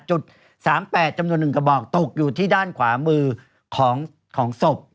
แล้วพบอาวุธปืนขนาด๓๘จำนวนหนึ่งกระบอกตกอยู่ที่ด้านขวามือของศพ